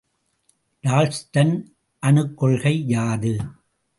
Dalton அணுக்கொள்கை யாது?